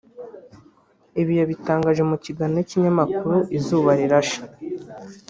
Ibi yabitangaje mu kiganiro n’ikinyamakuru Izuba Rirashe